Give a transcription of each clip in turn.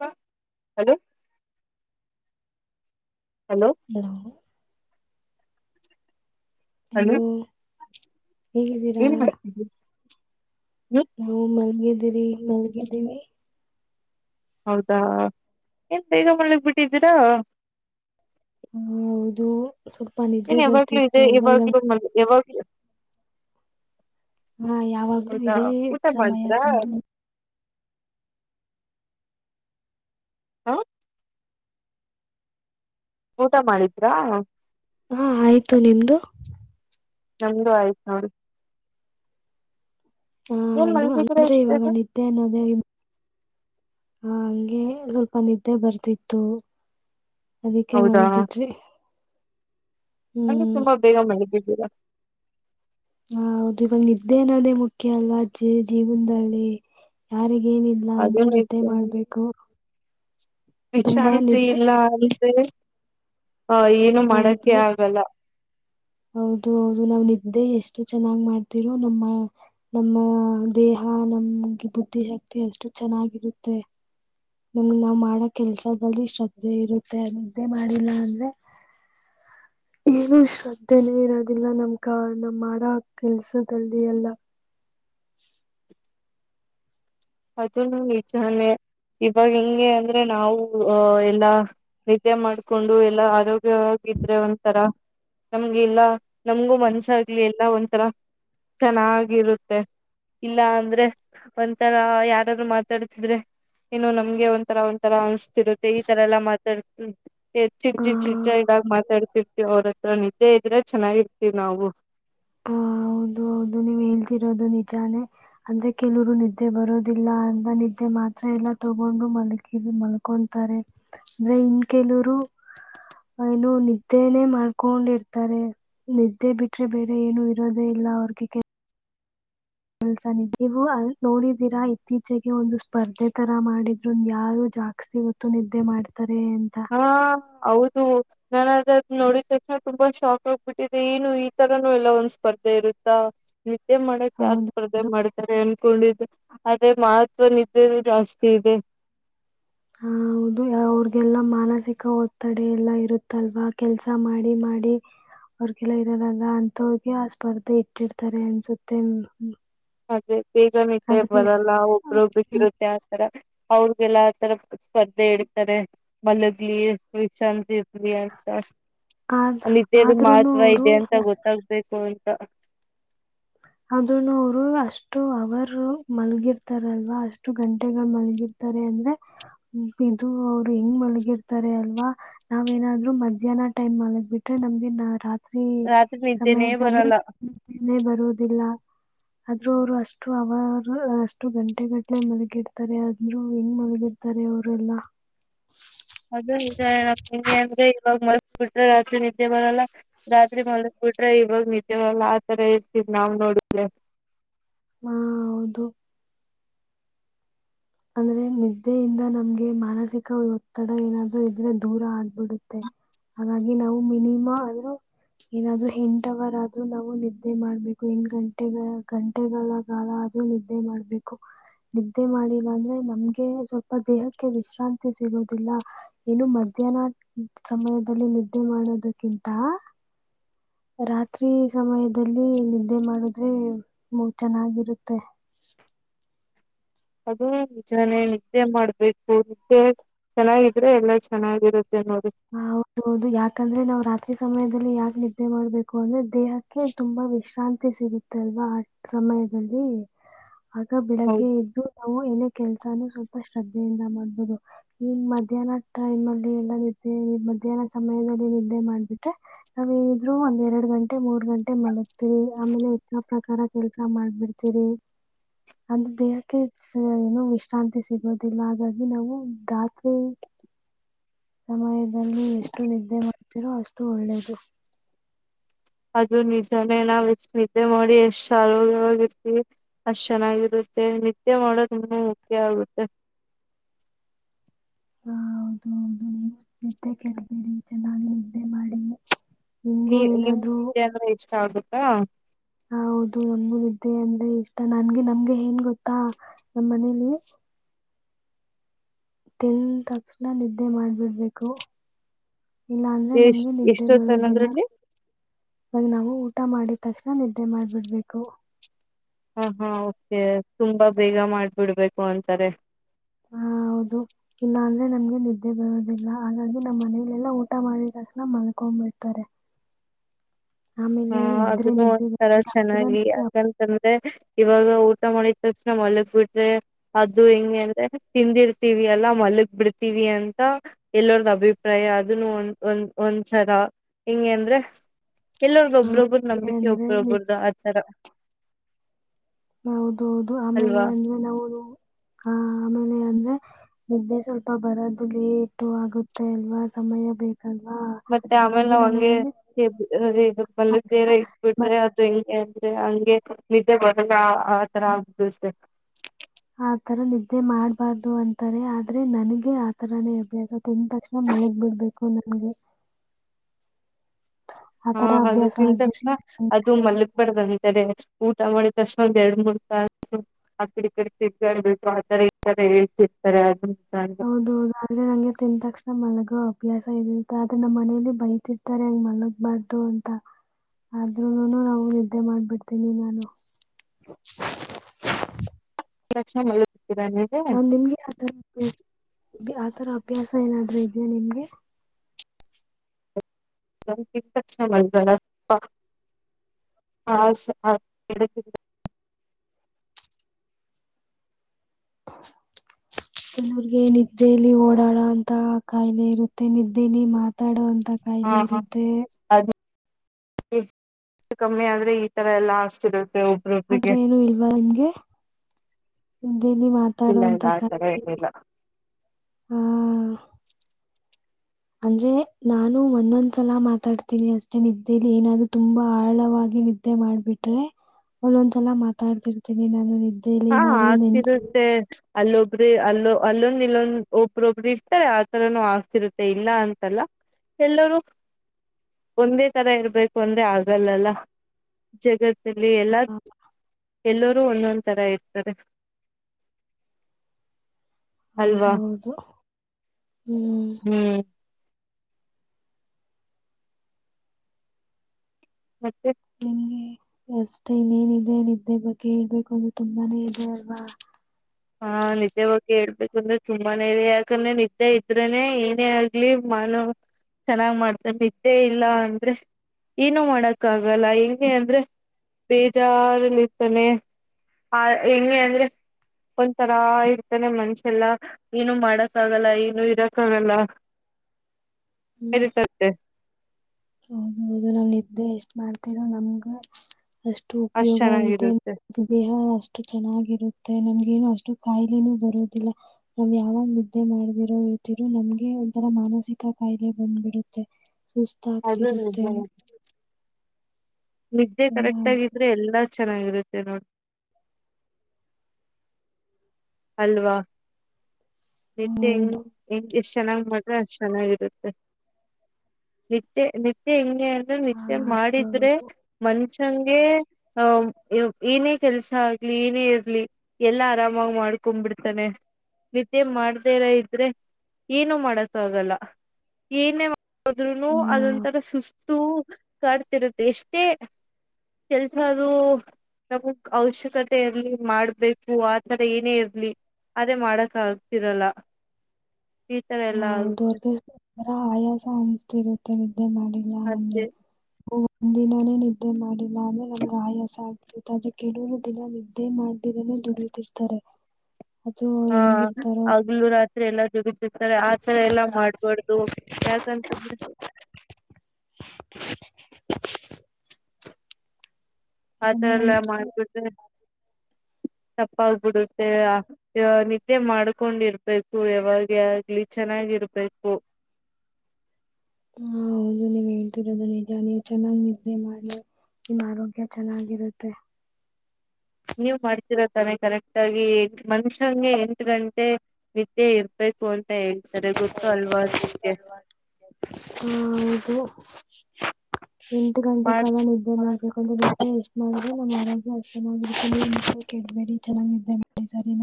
ಹ hello hello ಬರ ಹ ಹಲೋ ಹೇಗಿದ್ದೀರಾ ಹ್ಮ ನಾವು ಮಗೆ ರಿ ನಲ್ಗಿದ್ದೀವಿಿ ಹೌದಾ ಏನ್ ಬೇಗ ಮಲಗ್ ಬಿಟ್ಟಿದ್ದೀರಾ ಹ ಹೌದು ಸ್ವಲ್ಪ ನಿದ್ದೆ ಏನ್ ಯಾವಾಗ್ಲೂ ಇದೆ ಬರ್ತಿತ್ತು ಅಲ್ವಾ ಇವಾಗ ಯಾವಾಗ್ಲೂ ಮಲ್ ಯಾವಾಗ್ಲೂ ಹಾ ಯಾವಾಗ್ಲೂ ಹೌದಾ ಇದೇ ಊಟ ಸಮಯ ಮಾಡಿದ್ರಾ ಹ. ಊಟ ಮಾಡಿದ್ರಾ. ಹಾ ಆಯ್ತು ನಿಮ್ದು. ಎಂದ ಆಯ್ತೋಡಿ ಹಾ ಅದು ಮಲ್ಗಿದೀರ ಅಂದ್ರೆ ಇಷ್ಟ್ ಇವಾಗ ಬೇಗ ನಿದ್ದೆ ಅನ್ನೋದೇ ಹ ಹಂಗೆ ಸ್ವಲ್ಪ ನಿದ್ದೆ ಬರ್ತಿತ್ತು ಅದಕ್ಕೆ ಮಳ ಹೌದಾ ಬಿಟ್ರಿ ಅಂದ್ರೆ ತುಂಬಾ ಬೇಗ ಮಾಡಿದ್ದ ಹದ ಹ ಹೌದು ಇವಾಗ ನಿದ್ದೆ ಅನ್ನೋದೇ ಮುಖ್ಯ ಅಲ್ಲ ಜ ಜೀವನದಲ್ಲಿ ಯಾರಿಗೆ ಏನಿಲ್ಲ ಅಂದ್ರೂ ಅದೇನು ನಿದ್ದೆ ಹೆಚ್ಚು ಮಾಡ್ಬೇಕು. ತುಂಬಾ ವಿಶ್ರಾಂತಿ ನಿದ್ದೆ ಎಲ್ಲ ಅೆ. ಹ ಏನು ಮಾಡಕ ಹೌದು ಆಗಲ್ಲ. ಹೌದು ಹೌದು ನಾವ್ ನಿದ್ದೆ ಎಷ್ಟು ಚೆನ್ನಾಗ್ ಮಾಡ್ತಿೀರೋ ನಮ್ಮ ನಮ್ಮ ದೇಹ ನಮ್ಗೆ ಬುದ್ಧಿಶಕ್ತಿ ಎಷ್ಟು ಚೆನ್ನಾಗಿರುತ್ತೆ. ನಿಮಗೆ ನಾವ್ ಮಾಡೋ ಕೆಲ್ಸದಲ್ಲಿ ಶ್ರದ್ಧೆ ಇರುತ್ತೆ ನಿದ್ದೆ ಮಾಡಿಲ್ಲ ಅಂದ್ರೆ. ಏನು ಶ್ರದ್ಧೆನೇ ಇರೋದಿಲ್ಲ ನಮ್ ಕ ನಮ್ ಮಾಡ ಕೆಲ್ಸದಲ್ಲಿ ಎಲ್ಲ ಸೂಷ್ ಅದು ನಿಜಾನೇ ಇವಾಗ ಹೆಿಂಗೆ ಅಂದ್ರೆ ನಾವು ಅ ಎಲ್ಲಾ ನತ್ಯ್ಯ ಮಾಡ್ಕೊಂಡು ಎಲ್ಲ ಆರೋಗ್ಯವಾಗಿದ್ರೆ ಒಂಥರ ನಮ್ಗೆ ಎಲ್ಲ ನಮ್ಗೂ ಮನ್ಸ ಆಗ್ಲಿ ಎಲ್ಲಾ ಒಂಥರ ಚೆನ್ನಾಗಿರುತ್ತೆ ಇಲ್ಲ ಅಂದ್ರೆ ಒಂಥರ ಯಾರಾದ್ರರು ಮಾತಾಡ್ತಿದ್ರೆ ಏನ್ನು ನಮ್ಗೆ ಒಂಥರ ಒಂಂತರ ಅನ್ಸ್ತಿರುತ್ತೆ ಈ ತರ ಎಲ್ಲಾ ಮಾತಾಡ್. ಎ ಚಿಡ್ ಆ ಚಿ ಚಿಡ್ಜಾ ಆಗ ಮಾತಾಡ್ತಿರ್ತಿವಿ ಅವ್ರ ಹತ್ರ ನಿ. ಎ ಇದ್ರೆ ಚೆನ್ನಾಗಿರ್ತೀವಿನಾವು. ಹ ಹೌದು ಹೌದು ನೀವ್ ಹೇಳ್ತಿರೋದು ನಿಜಾನೇ ಅಂದ್ರೆ ಕೆಲವರು ನಿದ್ದೆ ಬರೋದಿಲ್ಲ ಅಂತ ನಿದ್ದೆ ಮಾತ್ರ ಎಲ್ಲ ತಗೊಂಡು ಮಲ್ಕ ಮಲ್ಕೊತಾರೆ ಅಂದ್ರೆ ಇನ್ ಕೆಲವರು ಏನು ನಿದ್ದೇನೇ ಮಲ್ಕೊಂಡಿರ್ತಾರೆ ನಿದ್ದೆ ಬಿಟ್ರೆ ಬೇ. ಏನು ಇರದೇ ಇಲ್ಲ ಅವ್ರಿಗೆ ಕೆ. ಕೆಲ್ಸ ನಿದ್ದೆ ನೀವು ಅ ನೋಡಿದೀರಾ ಇತ್ತೀಚೆಗೆ ಒಂದು ಸ್ಪರ್ಧೆ ತರ ಮಾಡಿದ್ರುಂದ ಯಾರು ಜಾಸ್ತಿ ಹೊತ್ತು ನಿದ್ದೆ ಮಾಡ್ತಾರ. ಅದೇ ಎಂತ. ಹಾ ಹೌದು ನಾನದ ನೋಡ ತಕ್ಷಣ ತುಂಬಾ ಶಾಕ್ ಆಗ್ಬಿಟ್ಟಿದೆೆ ಏನು ಈ ತರನು ಎಲ್ಲ ಒಂದ್ ಸ್ಪರ್ಧೆ ಇರುತ್ತಾ. ನಿದ್ದೆ ಮಾಡಕ್ ಯಾರ್ ಹೌದು ಸ್ಪರ್ಧೆ ಮಾಡ್ತಾರೆ ಅನ್ಕೊಂಡಿದ್ದೆ. ಅದೇ ಮಹತ್ವ ನಿದ್ದೆ ಜಾಸ್ತಿ ಇದೆ. ಹ ಹೌದು ಅವ್ರಗೆಲ್ಲ ಮಾನಸಿಕ ಒತ್ತಡ ಎಲ್ಲಾ ಇರುತ್ತಲ್ವಾ ಕೆಲ್ಸ ಮಾಡಿ ಮಾಡಿ ಅವ್ರಿಗೆಲ್ಲ ಇರದಾಗ ಅಂತ ಹೋಗಿ ಆ ಸ್ಪರ್ಧೆ ಇಟ್ಟಿರ್ತಾರೆ ಅನ್ಸುತ್ತೆ. ಹದೆ. ಬೇಗನಿದ್ದೆ ಬರಲ್ಲ ಒಬ್ರೊಬ್ರಗ ಇರುತ್ತೆ ಆತರ. ಅವ್ರಗೆಲ್ಲಾ ಆತರ ಸ್ಪರ್ಧೆ ಹಿಡ್ತಾರೆ ಮಲದಲಿಶಾಂತ್. ಆದ್ರೆ ನಿದ್ದೆ ದು ಆದ್ರೂನು ಮಹತ್ವ ಇದೆ ಅವರು ಅಂತ ಗೊತ್ತಾಗಬೇಕು. ಹ- ಅ್ರೂನು ಅವರು ಅಷ್ಟು ಅವರ್ ಮಲ್ಗಿರ್ತಾರಲ್ವಾ ಅಷ್ಟು ಗಂಟೆಗಳ ಮಲ್ಗಿರ್ತಾರೆ ಅಂದ್ರೆ ಇದು ಅವರು ಹೆಂಗ್ ಮಲ್ಗಿರ್ತಾರೆ ಅಲ್ವಾ ನಾವೇನಾದ್ರು ಮಧ್ಯಾಹ್ನ ಟೈಮ್ ಮಲಗ್ ಬಿಟ್ರೆ ನಮ್ಗೆ ರಾತ್ರಿ. ರಾತ್ರಿ ನಿದ್ದೆನೇ ಬರಲ್ಲ ಸಮಯದಲ್ಲಿೆ ಬರುದು. ಆದ್ರೂ ಅವ್ರು ಅಷ್ಟು ಅವರ್ ಅಷ್ಟು ಗಂಟೆಗಟ್ಲೆ ಮಲಗಿರ್ತಾರೆ ಆದ್ರು ಹೆಂಗ್ ಮಲಗಿರ್ತಾರೆ ಅವರೆಲ್ಲ. ಅದು ನಿಜ ಹೇಳಕ್ ಹೆಂಗೆ ಅಂದ್ರೆ ಇವಾಗ ಮಲ್ ಬಿಟ್ರೆ ರಾತ್ರಿ ನಿದ್ದೆ ಬರಲ್ಲ ರಾತ್ರಿ ಮಲ್ ಬಿಟ್ರೆ ಇವಾಗ ನಿದ್ದೆ ಬರಲ್ಲ ಆತರ ಇರ್ತೀವಿ ನಾವ್ ನೋಡಲೆ. ಹಾ ಹೌದು. ಅಂದ್ರೆ ನಿದ್ದೆಯಿಂದ ನಮ್ಗೆ ಮಾನಸಿಕ ಒತ್ತಡ ಏನಾದ್ರೂ ಇದ್ರೆ ದೂರ ಆಗ್ಬಿಡುತ್ತೆ ಹಾಗಾಗಿ ನಾವು ಮಿನಿಮ್ ಆದ್ರೂ ಏನಾದ್ರು ಎಂಟವರ್ ಆದ್ರೂ ನಾವು ನಿದ್ದೆ ಮಾಡ್ಬೇಕು ಎಂಟ ಗಂಟೆ ಗಂಟೆಗಳ ಕಾಲ ಆದ್ರೂ ನಿದ್ದೆ ಮಾಡ್ಬೇಕು ನಿದ್ದೆ ಮಾಡಿ. ಇಲ್ಲಂದ್ರೆ ನಮ್ಗೆ ಸ್ವಲ್ಪ ದೇಹಕ್ಕೆ ವಿಶ್ರಾಂತಿ ಸಿಗೋದಿಲ್ಲ ಏನು ಮಧ್ಯಾಹ್ನ ಸಮಯದಲ್ಲಿ ನಿದ್ದೆ ಮಾಡೋದಕ್ಕಿಂತ ರಾತ್ರಿ ಸಮಯದಲ್ಲಿ ನಿದ್ದೆ ಮಾಡುದ್ರೆ ಮೂಡ್ ಚೆನ್ನಾಗಿರುತ್ತೆ. ಅದು ನಿಜಾನೇ ನಿದ್ದೆ ಮಾಡ್ಬೇಕು ನಿದ್ದೆ ಚೆನ್ನಾಗಿದ್ರೆ ಎಲ್ಲಾ ಚೆನ್ನಾಗಿರುತ್ತೆ. ನೋಡಿ ಹ ಹೌದೌದು ಯಾಕಂದ್ರೆ ನಾವ್ ರಾತ್ರಿ ಸಮಯ. ಲ್ಲಿ ಯಾಕ್ ನಿದ್ದೆ ಮಾಡ್ಬೇಕು ಅಂದ್ರೆ. ದೇಹಕ್ಕೆ ತುಂಬಾ ಇಷ್ಟ ಶಾಂತಿ ಸಿಗುತ್ತಲ್ವಾ ಆ ಸಮಯದಲ್ಲಿ. ಆಗ ಬೆಳಿಗ್ಗೆ ಹೌದು ಎದ್ದು ನಾವು ಎನೆ. ಕೆಲ್ಸಾನ ಸ್ವಲ್ಪ ಶ್ರದ್ಧೆಯಿಂದ ಮಾಡ್ಬಹುದು ಈಗ ಮಧ್ಯಾಹ್ನ ಟೈಮ್ ಅಲ್ಲಿ ಎಲ್ಲ. ಮ ಮಧ್ಯಾಹ್ನ ಸಮಯದಲ್ಲಿ ನಿದ್ದೆ ಮಾಡ್ಬಿಟ್ರೆ ನಾವ ಇದ್ರು ಒಂದ್ ಎರಡ್ ಗಂಟೆ ಮೂರ್ ಗಂಟೆ ಮಲಗ್ತಿರಿ ಆಮೇಲೆ ಹೆಚ್ಚ ಪ್ರಕಾರ ಕೆಲ್ಸ ಮಾಡ್ಬಿಡ್ತೀರಿ ಅಂದ್ರೆ ದೇಹಕ್ಕೆ ಏನ ವಿಶ್ರಾಂತಿ ಸಿಗೋದಿಲ್ಲ ಹಾಗಾಗಿ ನಾವು ರಾತ್ರಿ. ಸಮಯ. ಎಷ್ಟು ನಿದ್ದೆ. ರೋ ಅಷ್ಟು ಒಳ್ಳೇದು. ಅದು ನಿಜಾನೇ ನಾವ್ ಎಷ್ಟ ನಿದ್ದೆ ಮಾಡಿ ಎಷ್ಟ್ ಆರೋಗ್ಯವಾಗಿರ್ತಿವಿ ಅಷ್ಟ ಚೆನ್ನಾಗಿರುತ್ತೆ ನಿದ್ದೆ ಮಾಡ ತುಂಬಾ ಮುಖ್ಯ ಆಗುತ್ತೆ. ಹ ಹೌದು ಹೌದು ನೀವು ನಿದ್ದೆ ಕೇಳಬೇಡಿ ಚೆನ್ನಾಗಿ ನಿದ್ದೆ ಮಾಡಿ. ನೀ ನಿಮ್ಗೂ ನಿಮ್ ಏನಾದ್ರು ನಿದ್ದೆ ಅಂದ್ರೆ ಇಷ್ಟ ಆಗ್ಬೇಕು ಹಾ. ಹೌದು ನಮಗೂ ನಿದ್ದೆ ಅಂದ್ರೆ ಇಷ್ಟ ನನ್ಗೆ ನಮ್ಗೆ ಏನ್ ಗೊತ್ತಾ ನಮ್ ಮನೇಲಿ. ತಿಂದ್ ತಕ್ಷಣ ನಿದ್ದೆ ಮಾಡ್ಬಿಡ್ಬೇಕು ಇಲ್ಲಾ ಅಂದ್ರೆ ನಮ್ಗೆ ಎಷ್ಟ್ ನಿದ್ದೆ ಎಷ್ಟೊತ್ ಬರೋದಿಲ್ಲ ಅನ್ನೋದ್ರಲ್ಲಿ ಇವಾಗ ನಾವು ಊಟ ಮಾಡಿದ ತಕ್ಷಣ ನಿದ್ದೆ ಮಾಡ್ಬಿಡ್ಬೇಕು ಹ ಹಾ ಕೆ ತುಂಬಾ ಬೇಗ ಮಾಡಬಿಡ್ಬೇಕು ಅಂತಾರೆ ಹ ಹೌದು ಇಲ್ಲ ಅಂದ್ರೆ ನಮ್ಗೆ ನಿದ್ದೆ ಬರುೋದಿಲ್ಲ ಹಾಗಾಗಿ ನಮ್ಮ್ ಮನಲೆಲ್ಲ ಊಟ ಮಾಡಿದ ತಕ್ಷಣ ಮಲ್ಕೊಂಡ್ಬಿಡ್ತಾರೆ ಹಾ ಆಮೇಲೆ ಎದ್ರೆ ಅದನ್ನು ಒಂ ನಿದ್ದೆ ತರ ಬರೋದಿಲ್ಲ ಅಂದ್ರೆ ಚೆನ್ನಾಗಿ ನಿದ್ದೆ ಅಪ್- ಯಾಕಂತಂದ್ರೆ ಇವಾಗ ಊಟ ಮಾಡಿದ ತಕ್ಷಣ ಮಲ್ಗ್ ಬಿಟ್ರೆ ಅದು ಹೆಿಂಗ ಅಂದ್ರೆ ತಿಂದಿರ್ತಿೀವಿ ಅಲ್ಲಾ ಮಲ್ಗ್ ಬಿಡ್ತೀವಿ ಅಂತ ಎಲ್ಲರದ ಅಭಿಪ್ರಾಯ ಅದನ್ನು ಒಂದ ಒಂದ್ ಒಂದ್ಸರ ಹೆಂಗ ಅಂದ್ರೆ ಎಲ್ಲವರ್ಗ ಆ, ಒಬ್ಬ್ರೊಬ್ಬರು ನಂಬಿಕೆ ಅಂದ್ರೆ ಒಬ್ಬ್ರೊಬ್ಬ್ರ್ದ ಆತರ [inaudible] ಹೌದ ಹೌದು ಆಮೇಲೆ ಅಲ್ವಾ ಅಂದ್ರೆ ನಾವು ಹಾ ಆಮೇಲೆ ಅಂದ್ರೆ ನಿದ್ದೆ ಸ್ವಲ್ಪ ಬರದು ಲೇಟು ಆಗುತ್ತೆ ಅಲ್ವಾ ಸಮಯ ಬೇಕು ಮತ್ತೆ ಆಮೇಲ್ ನಾವ್ ಹಂಗೆ ಆ ಮಲ್ಲಿ ಬೇರೆ ಮ- ಇಟ್ಬಿಟ್ರೆ ಅದು ಹೆಂಗೆ ಅಂದ್ರೆ ಹಂಗೆ ನಿಜೆ ಬರ್ ಲ್ಲ ಆತರ ಆಗ್ಿವಸ [inaudible] ಆತರ ನಿದ್ದೆ ಮಾಡ್ಬಾರ್ದು ಅಂತಾರೆ ಆದ್ರೆ ನನಗೆ ಆತರಾನೇ ಅಭ್ಯಾಸ ತಿಂದ ತಕ್ಷಣ ಮಲಗ್ ಬಿಿಡ್ಬೇಕು ನಂಗೆ ಹಾ ಅದು ಅಭ್ಯಾಸ ತಿಂದ ಆಗ್ಬಿಟ್ಟು ತಕ್ಷಣ ಅದು ಮಲಗ ಬರದು ಅದಿಕೆ ಊಟ ಮಾಡಿದಷ್ಟ ಒಂದ್ ಎರಡ್ ಮೂರ್ ತಾಸು ಆ ಕಡೆ ಈಕಡೆ ತಿರ್ಗಡ್ದ್ ಬೇಕು ಆತರ ಈ ತರ ಹೆಲ್ತಹಿರತಾರೆ ಹಿರತಾರೆ ಅದು ಹೌದೌದು ಅದ್ರೆ ನಂಗೆ ತಿಂದ್ ತಕ್ಷಣ ಮಲಗೋ ಅಭ್ಯಾಸ ಇತ್ತ ಆದ್ರೆ ನಮ್ಮ್ ಮನೇಲಿ ಬೈತಿರ್ತಾರೆ ಹಂಗ್ ಮಲ್ಲಗ್ಬಾರ್ದು ಅಂತ ಆದ್ರೂ ನಾವು ನಿದ್ದೆ ಮಾಡ್ಬಿಡ್ತೀನಿ ನಾನು ಕ್ಷಣ ಮಾಡ [inaudible] ನಿಮ್ಗೆ ಆತರ ಅಭ್ಯಾಸ ಏನಾದ್ರೂ ಇದ್ಯ ನಿಮ್ಗೆ ಕ್ಷ ಮಂರ ಆ [inaudible] ಕೆಲೂರಿಗೆ ನಿದ್ದೇಲಿ ಓಡಾಡ ಅಂತ ಕಾಯಿಲೆ ಇರುತ್ತೆ ನಿದ್ದೆಲಿ ಮಾತಾಡೋ ಅಂತ ಕಾಯಿಲೆ ಇರುತ್ತೆ ಇಷ್ಟ ಕಮ್ಮಿ ಆದ್ರೆ ಈ ತರ ಎಲ್ಲಾ ಅಷ್ಟತಿರುತ್ತೆ ಅಂದ್ರೆ ಏನು ಇಲ್ವಾ ನಿಮ್ಗೆ ಹ್ಮ ನಿದ್ದೇ ಯಲ್ಲಿ ಇಲ್ಲ ಮಾತಾಡುವಂತ ಇಲ್ಲ ಆತರ ಕಾಯಿಲೇ ಏನಿಲ್ಲ ಅಂದ್ರೆ ನಾನು ಒಂದೊಂದ್ಸಲ ಮಾತಾಡ್ತೀನಿ ಅಷ್ಟೆ ನಿದ್ದೇಲಿ ಏನಾದರು ತುಂಬಾ ಆಳವಾಗಿ ನಿದ್ದೆ ಮಾಡ್ಬಿಟ್ರೆ ಒಂದೊಂದ್ಸಲ ಮಾತಾಡ್ತಿರ್ತೀನಿ ನಾನು ನಿದ್ದೆ ನಿದ್ದೇ ಏನಾದ್ರು ನಿಮ್ ಗೇ ಅಲ್ಲೊಬ್ರ ಅಲ್ಲೊ ಅಲ್ಲೊಂದು ಇಲ್ಲೊಂದ್ ಒಬ್ರೊಇರ್ತಾರೆ ಆತರನೂ ಅಗತಿರುತ್ತೆ ಇಲ್ಲ ಅಂತಲ್ಲ ಎಲ್ಲರುೂ ಒಂದೇ ತರ ಇರ್ಬೇಕು ಅಂದ್ರೆ ಆಗಲ್ಲಲ್ಲ ಜಗತ್ತ್ ಇಲ್ಲಿ ಎಲ್ಲ ಎಲ್ಲರೂ ಒಂದೊಂದು ತರ ಇರ್ತಾರೆ ಹೌದು ಅಲ್ವಾ ಹೌದು ಹ್ಮ ಹ್ಮ್ ಮತ್ತೇ ನಿಮ್ಗೆ ಅಷ್ಟೇ ಇನ್ನೇನಿದೆ ನಿದ್ದೆ ಬಗ್ಗೆ ಹೇಳ್ಬೇಕು ಅಂದ್ರೆ ತುಂಬಾನೇ ಇದೆ ಅಲ್ವಾ ಹಾ ನಿದ್ದೆ ಬಗ್ ಹೇಳ್ಬೇಕಂದ್ರೆ ತುಂಬಾನೇ ಇದೆ ಯಾಕಂದ್ರೆ ನಿದ್ದೆ ಇದ್ರನೆ ಏನೇ ಆಗ್ಲಿ ಮಾನ ಚೆನ್ನಾಗ್ ಮಾಡ್ತಾನ ನಿದ್ದೆ ಇಲ್ಲ ಅಂದ್ರೆ ಏನು ಮಾಡಕ್ ಆಗಲ್ಲ ಹೆಂಗಗೆ ಅಂದ್ರೆ ಬೇಜಾರ್ಲಿ ಇರ್ತಾನೆ ಆ ಹೆಂಗಗೆ ಅಂದ್ರೆ ಒಂತರಾ ಇರ್ತೇನೆ ಮನ್ಷೆಲ್ಲಾ ಏನು ಮಾಡಕ್ ಆಗಲ್ಲ ಏನು ಇರಕ್ ಆಗಲ್ಲ ಸರಿ ಸತ್ತ ಹೌದ ಹೌದು ನಾವ್ ಇದಿದ್ದೆ ಎಷ್ಟ್ ಮಾಡ್ತರೋ ನಮ್ಗ ಅಷ್ಟು ಅಷ್ಟ್ ಉಪಯೋಗ ಇದೆ ಚೆನ್ನಾಗಿರುತ್ತೆ ದೇಹ ಅಷ್ಟು ಚೆನ್ನಾಗಿರುತ್ತೆ ನಮ್ಗ ನ ಅಷ್ಟು ಕಾಯಿಲೆನೂ ಬರೋದಿಲ್ಲ ನಾವ್ ಯಾವಾಗ ನಿದ್ದೆ ಮಾಡದಿರೋ ಇರ್ತಿರೋ ನಮ್ಗೆ ಒಂಥರ ಮಾನಸಿಕ ಕಾಯಿಲೆ ಬಂದ್ಬಿಡುತ್ತೆ ಅದೇ ಅದ ಆಗ್ತಿರುತ್ತೆ ನಿದ್ದೆ ಎಲ್ಲ ಕರೆಕ್ಟ್ ಹೌದು ಆಗಿದ್ರೆ ಎಲ್ಲಾ ಚೆನ್ನಾಗಿರುತ್ತೆ ನೋಡಿ ಅಲ್ವಾ ನಿತ್ಯ ಹೌದು ಹೆಷ್ಟ ಚೆನ್ನಾಗ್ ಮಾಡ್ರೆ ಅ ಚೆನ್ನಾಗಿರುತ್ತೆ ನಿತ್ಯ ನಿತ್ಯ ನಿತ್ಯ ಮಾಡಿದ್ರೆ ಮನ್ಷ ಂಗೆ ಆ ಏನೇ ಕೆಲ್ಸ ಆಗ್ಲಿ ಏನೇ ಇರ್ಲಿ ಎಲ್ಲಾ ಆರಾಮಾಗಿ ಮಾಡ್ ಕೊಂಡ್ಬಿಡ್ತಾನೆ ನತ್ಯೆ ಮಾಡದೇ ಇರ ಇದ್ರೆ ಏನು ಮಾಡಸ ಆಗಲ್ಲ ಏನೇ ಹದ್ೂನು ಹಾ ಅದೊಂಂತರ ಸುಸ್ತ ಕಾಡ್ತಿರುತ್ತೆ ಎಷ್ಟೇ ಕೆಲ್ಸದು ನಮ ಅವಶ್ಯಕತೆಯಲ್ಲಿ ಮಾಡ್ಬೇಕು ಆತರ ಏನೇ ಇ ಇ ಅದೇ ಮಾಡಕ್ಕ ಆಾಗತಿರಲ್ಲ ಹ ಹೌದುರ್ ಆಯಾಸ ಅನ್ನಿಸತಿ ಇರುತ್ತೆ ನಿಮಗೆ ಅ ಮಾಡಿಲ್ಲ ಅಂದ್ರೆ ಅದೇ ಹ ದಿನಾನೇ ನಿದ್ದೆ ಮಾಡಿಲ್ಲ ಅಂದ್ರೆ ನಮ್ಗೆ ಆಯಾಸ ಆಗರು ತಾಜೆ ಕೆಡವರು ದಿನ ನಿದ್ದೆ ಮಾಡ್್ದರನೆೇ ದುಡಿಯತಿಿರ್ತಾರೆ ಅದು ಹೆಂಗಿರ್ತಾರೋ ಸೇಲುಗ ತ ಆತರ ಎಲ್ಲಾ ಮಾಡ್ಬಾರ್ದು ಯಾಕಂತ್ರ ಆತರ ಯಾಕಂದ್ರೆ ನಮ್ ಎಲ್ಲಾ ಮಾಡ್ಬಿಟ್ಟೆ ತಪ್ಪಾಗ್ಬಿಡುತ್ತೆ ನಿದ್ದೆ ಮಾಡ್ಕೊಂಡಿರ್ಬೇಕು ಯಾವಾಗ ಆಗ್ಲಿ ಚೆನ್ನಾಗಿರ್ಬೇಕು ಹಾ ಹೌದು ನೀವ್ ಹೇಳ್ತಿರೋದು ನಿಜ ನೀವು ಚೆನ್ನಾಗ್ ನಿದ್ರೆ ಮಾಡಿ ನಿಮ್ಮ ಆರೋಗ್ಯ ಚೆನ್ನಾಗಿರುತ್ತೆ ನೀವ್ ಮಾಡ್ತಿೀರ ತಾನೆ ಕರೆಕ್ಟ್ ಆಗಿ ಮನ್ಷ್ಯಂಗೆ ಎಂಟು ಗಂಟೆ ನಿದ್ದೆ ಇರ್ಬೇಕು ಅ ಹ್ಮ ಇದು ಎಂಟು ಗಂಟೆ ಮಾಡ್ ಕಾಲ ನಿದ್ದೆ ಮಾಡ್ಬೇಕೆೆ ಎಷ್ಟು ಮಾಡ ನಮ್ಮ ಆೋಗ್ಯ ಚೆನ್ನ ಇಡ್ಬೇಡಿ ಚೆನ್ನಾಗ ಸರಿ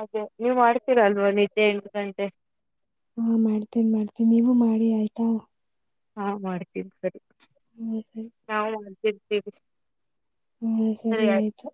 ಅೇ ನೀವ್ ಮಾಡ್ತೀರಾ ಅಲ್ವಾ ನಿಜ ತೇಗ ಗಂಟೆ ಮ ನೀವು ಮಾಡಿ ಆಯ್ತಾ. ಹಾ ಮಾಡ್ತೀನಿ ಸರಿ. ಹ ಸರಿ ನಾವು ಮಾಡ್ತ. ಹ್ಮ್. ಹಾ ಸರಿ ಆಯ್ತು.